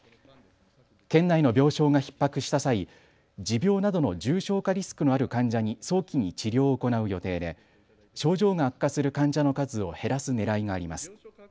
県内の病床がひっ迫した際、持病などの重症化リスクのある患者に早期に治療を行う予定で症状が悪化する患者の数を減らすねらいがあります。